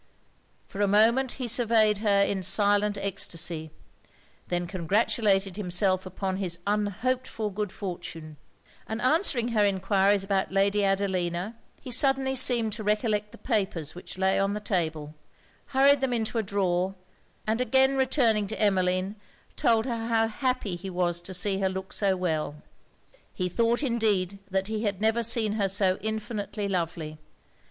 For a moment he surveyed her in silent extasy, then congratulated himself upon his unhoped for good fortune; and answering her enquiries about Lady Adelina, he suddenly seemed to recollect the papers which lay on the table, hurried them into a drawer, and again returning to Emmeline, told her how happy he was to see her look so well. He thought indeed that he had never seen her so infinitely lovely.